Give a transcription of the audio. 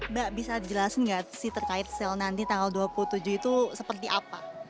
mbak bisa dijelasin nggak sih terkait sale nanti tanggal dua puluh tujuh itu seperti apa